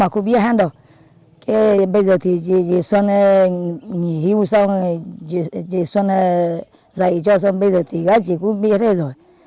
cái bây giờ thì chị xuân nghỉ hưu xong chị xuân dạy cho xuân bây giờ thì các chị cũng biết hết rồi